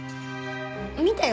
見たよ。